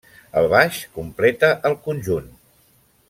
El baix completa el conjunt.